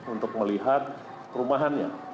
untuk melihat rumahannya